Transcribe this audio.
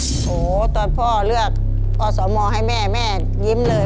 โอ้โหตอนพ่อเลือกอสมให้แม่แม่ยิ้มเลย